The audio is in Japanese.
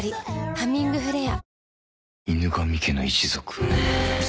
「ハミングフレア」